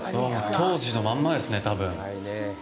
当時のまんまですね、多分。